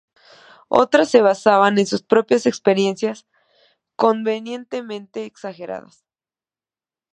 Otras se basaban en sus propias experiencias, convenientemente exageradas.